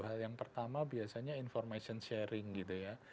hal yang pertama biasanya information sharing gitu ya